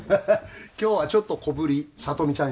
今日はちょっと小ぶり聡美ちゃん